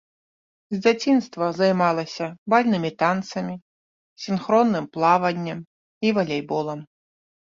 З дзяцінства займалася бальнымі танцамі, сінхронным плаваннем і валейболам.